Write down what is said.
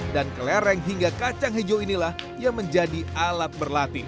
dan kelereng hingga kacang hijau inilah yang menjadi alat berlatih